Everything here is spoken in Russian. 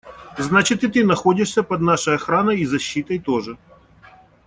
Значит, и ты находишься под нашей охраной и защитой тоже.